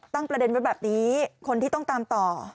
ประเด็นไว้แบบนี้คนที่ต้องตามต่อ